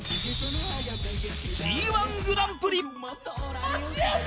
Ｇ−１ グランプリ教えて！